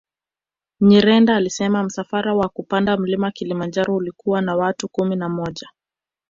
Nyirenda alisema msafara wa kupanda Mlima Kilimanjaro ulikuwa na watu kumi na moja